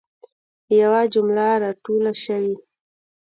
یوه جمله را توله سوي.